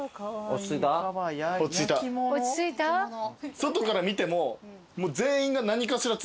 外から見ても。